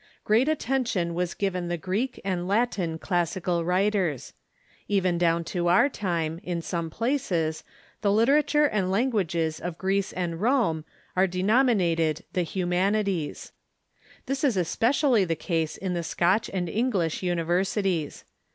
Great attention was given the Greek and Latin classical writers. Even down to our time, in some places, the literature and languages of Greece and Rome 208 THE KEFORMATIOX are denominated The Humanities. This is especially the case in the Scotch and English universities.